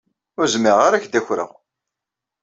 Ur zmireɣ ara ad ak-d-akreɣ.